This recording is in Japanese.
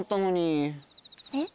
えっ？